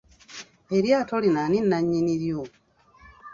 Eryato lino ani nannyini ryo.